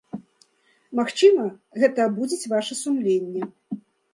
Магчыма, гэта абудзіць ваша сумленне.